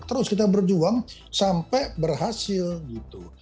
terus kita berjuang sampai berhasil gitu